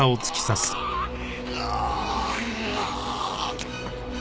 ああ！